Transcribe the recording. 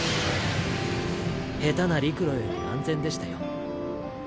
下手な陸路より安全でしたよ。